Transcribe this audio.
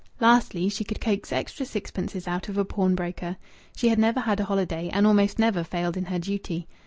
Lastly, she could coax extra sixpences out of a pawnbroker. She had never had a holiday, and almost never failed in her duty.